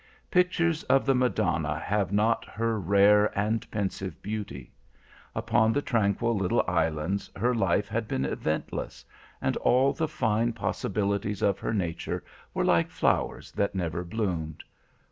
"Pictures of the Madonna have not her rare and pensive beauty. Upon the tranquil little islands her life had been eventless, and all the fine possibilities of her nature were like flowers that never bloomed.